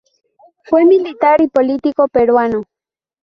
Fue militar y político peruano.